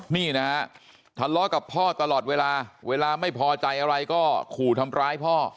นี่นะฮะทะเลาะกับพ่อตลอดเวลาเวลาไม่พอใจอะไรก็ขู่ทำร้ายพ่อ